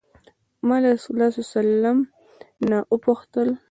ما له رسول الله صلی الله علیه وسلم نه وپوښتل.